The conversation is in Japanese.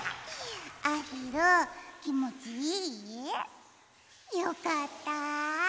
あひるんきもちいい？よかった！